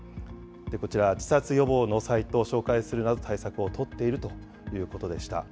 こちら、自殺予防のサイトを紹介するなど、対策を取っているということでした。